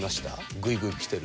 グイグイきてる。